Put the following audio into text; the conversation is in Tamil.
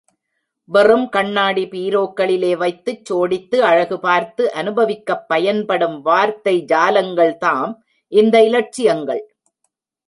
வெறும் கண்ணாடி பீரோக்களிலே வைத்துச் சோடித்து, அழகு பார்த்து அனுபவிக்கப் பயன்படும் வார்த்தை ஜாலங்கள்தாம் இந்த இலட்சியங்கள்!...